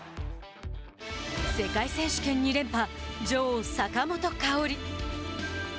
世界選手権２連覇女王坂本花織。